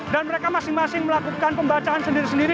dan mereka masing masing melakukan pembacaan sendiri sendiri